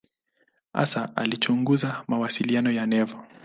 Hasa alichunguza mawasiliano ya neva.